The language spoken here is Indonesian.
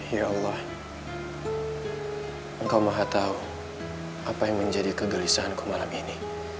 ya allah engkau maha tahu apa yang menjadi kegelisahanku malam ini